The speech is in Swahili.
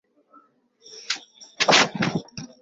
Mwalimu anatusimulia hadithi tamu sana.